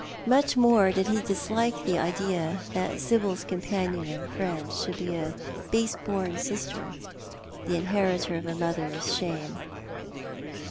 Much more did he dislike the idea that Sibyl's companion and friend should be a baseborn sister, the inheritor of a mother's shame.